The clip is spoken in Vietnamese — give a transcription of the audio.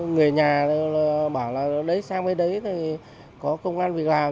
người nhà bảo là sang bên đấy có công an việc làm